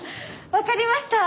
分かりました？